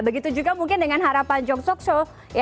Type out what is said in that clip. begitu juga mungkin dengan harapan jong sok so